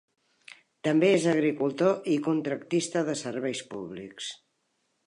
També és agricultor i contractista de serveis públics.